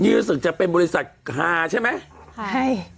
นี่รู้สึกจะเป็นบริษัทฮาใช่ไหมใช่